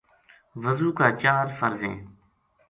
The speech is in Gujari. وضو لا چار فرض ہیں۔